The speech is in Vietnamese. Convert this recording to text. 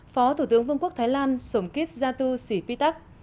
phó thủ tướng vương quốc thái lan somkit jatu sipitak